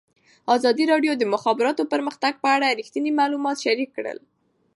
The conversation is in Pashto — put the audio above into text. ازادي راډیو د د مخابراتو پرمختګ په اړه رښتیني معلومات شریک کړي.